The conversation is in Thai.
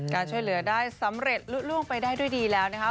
การช่วยเหลือได้สำเร็จลุ้งไปได้ด้วยดีแล้วนะคะ